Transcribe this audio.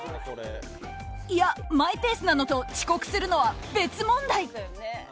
いや、マイペースなのと遅刻するのは別問題！